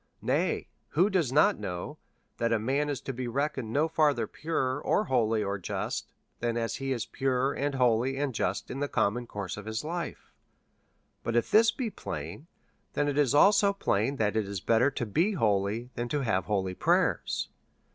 Nay, who does not know tliat a man is to be reckoned no further pure, or holy, or just, than as he is pure, and holy, and just in the common course of his life? But if this be plain, then it is also plain, that it is better to be holy than to have holy prayers.